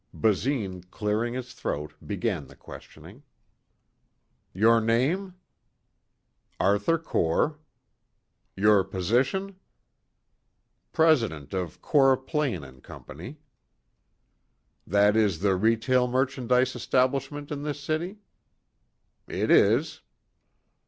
Basine, clearing his throat, began the questioning. "Your name?" "Arthur Core." "Your position?" "President of Core Plain and Company." "That is the retail merchandise establishment in this city?" "It is."